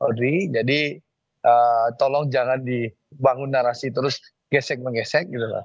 polri jadi tolong jangan dibangun narasi terus gesek mengesek gitu loh